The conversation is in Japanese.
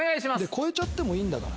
越えちゃってもいいんだな。